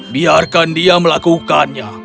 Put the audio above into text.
biarkan dia melakukannya